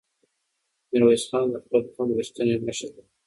میرویس خان د خپل قوم رښتینی مشر و.